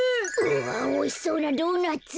うわっおいしそうなドーナツ。